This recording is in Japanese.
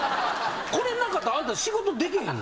これなかったらあなた仕事できへんのよ？